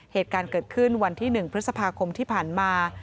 เหตุการณ์เกิดขึ้นวันที่๑พฤษภาคมที่ผ่านมา